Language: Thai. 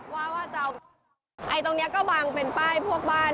ว่าว่าจะเอาไอ้ตรงนี้ก็บังเป็นป้ายพวกบ้าน